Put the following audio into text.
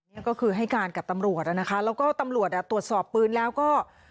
นี่ก็คือให้การกับตำรวจนะคะแล้วก็ตำรวจอ่ะตรวจสอบปืนแล้วก็